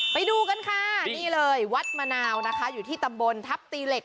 ไปดูกันค่ะนี่เลยวัดมะนาวนะคะอยู่ที่ตำบลทัพตีเหล็ก